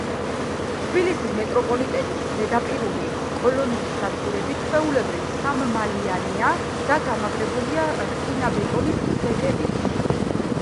თბილისის მეტროპოლიტენის ზედაპირული კოლონური სადგურები ჩვეულებრივ სამმალიანია და გამაგრებულია რკინაბეტონის სვეტებით.